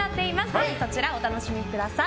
ぜひそちらもお楽しみください。